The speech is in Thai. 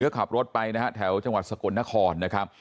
ก็ขับรถไปนะฮะแถวจังหวัดสกลนครนะครับ